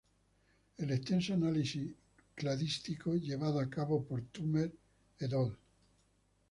El extenso análisis cladístico llevado a cabo por Turner "et al".